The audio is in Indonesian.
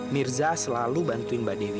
mirza selalu bantuin mbak dewi